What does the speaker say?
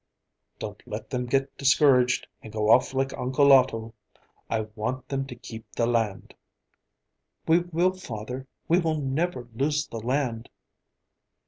"Don't let them get discouraged and go off like Uncle Otto. I want them to keep the land." "We will, father. We will never lose the land."